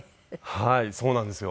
はいそうなんですよ。